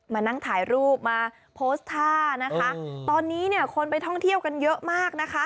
มานั่งถ่ายรูปมาโพสต์ท่านะคะตอนนี้เนี่ยคนไปท่องเที่ยวกันเยอะมากนะคะ